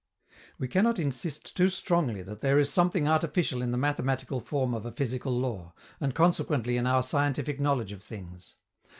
We cannot insist too strongly that there is something artificial in the mathematical form of a physical law, and consequently in our scientific knowledge of things.